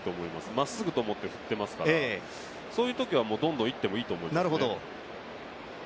まっすぐと思って振ってますから、そういうときはどんどんいってもいいと思いますね。